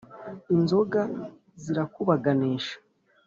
inzoga zirakubaganisha,